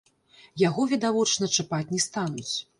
Яго, відавочна, чапаць не стануць.